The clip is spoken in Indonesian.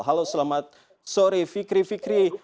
halo selamat sore fikri fikri